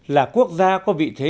là quốc gia có vị thế